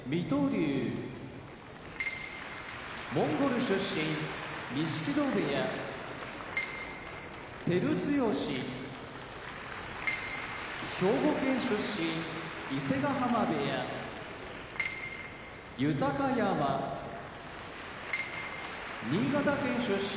龍モンゴル出身錦戸部屋照強兵庫県出身伊勢ヶ濱部屋豊山新潟県出身